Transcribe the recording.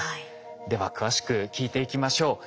では詳しく聞いていきましょう。